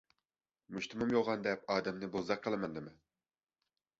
مۇشتۇمۇم يوغان دەپ ئادەمنى بوزەك قىلىمەن دېمە!